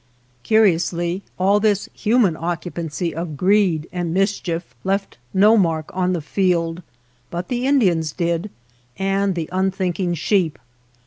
Curiously, all this human occupancy of greed and mischief left no mark on the field, but the Indians did, and the unthink ing sheep.